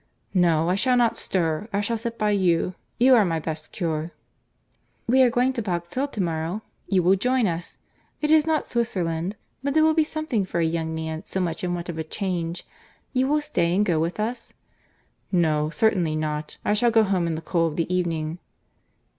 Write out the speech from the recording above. "No—I shall not stir. I shall sit by you. You are my best cure." "We are going to Box Hill to morrow;—you will join us. It is not Swisserland, but it will be something for a young man so much in want of a change. You will stay, and go with us?" "No, certainly not; I shall go home in the cool of the evening."